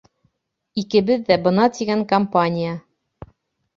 Икебеҙ ҙә бына тигән компания.